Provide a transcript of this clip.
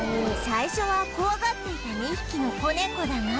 最初は怖がっていた２匹の子ネコだが